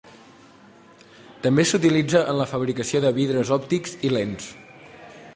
També s'utilitza en la fabricació de vidres òptics i lents.